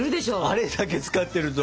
あれだけ使ってると。